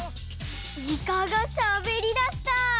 イカがしゃべりだした！